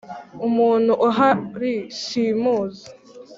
Umuntu uhari simuzi.